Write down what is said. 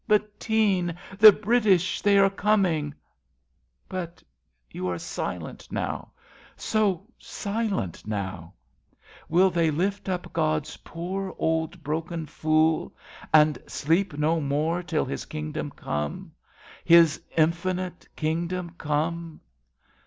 Bettine ! the British, they are coming ! But you are silent now, so silent now ! Will they lift up God's poor old broken Fool, And sleep no more until His kingdom come, His infinite kingdom come